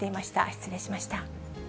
失礼しました。